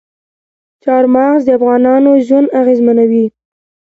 چار مغز د افغانانو ژوند اغېزمن کوي.